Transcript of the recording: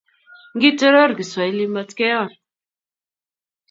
Ngitoror kiswahili matkeyon